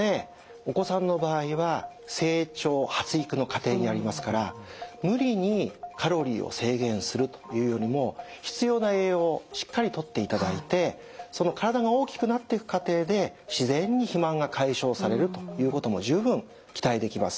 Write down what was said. お子さんの場合は成長発育の過程にありますから無理にカロリーを制限するというよりも必要な栄養をしっかりとっていただいてその体が大きくなってく過程で自然に肥満が解消されるということも十分期待できます。